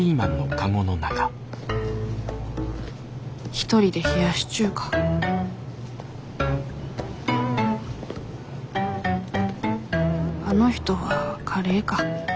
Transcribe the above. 一人で冷やし中華あの人はカレーか。